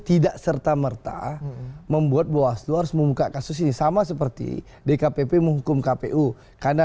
tidak serta merta membuat bawaslu harus membuka kasus ini sama seperti dkpp menghukum kpu karena